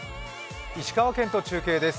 石川県と中継です。